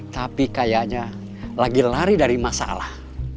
tapi kayaknya lagi lari dari masalah